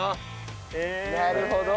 なるほど。